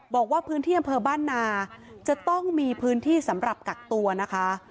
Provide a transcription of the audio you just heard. บอกว่าพื้นที่อำเภอบ้านนาจะต้องมีพื้นที่สำหรับกักตัวนะคะ